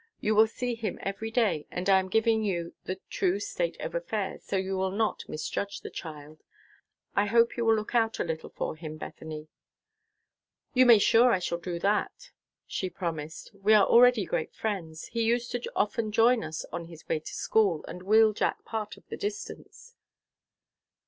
You will see him every day, and I am giving you the true state of affairs, so you will not misjudge the child. I hope you will look out a little for him, Bethany." "You may be sure I shall do that," she promised. "We are already great friends. He used to often join us on his way to school, and wheel Jack part of the distance."